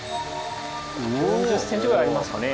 ４０センチぐらいありますかね。